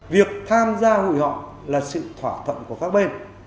việc tham gia hủy họ là sự thỏa thuận của các bên